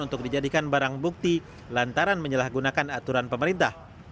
untuk dijadikan barang bukti lantaran menyalahgunakan aturan pemerintah